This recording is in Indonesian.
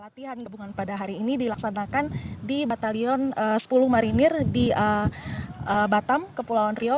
latihan gabungan pada hari ini dilaksanakan di batalion sepuluh marinir di batam kepulauan riau